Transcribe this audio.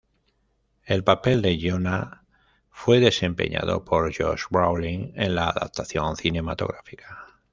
El papel de Jonah fue desempeñado por Josh Brolin en la adaptación cinematográfica.